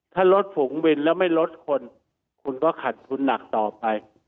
ถ้ารถฝูงบินแล้วไม่ลดคนคุณก็ขัดทุนหนักต่อไป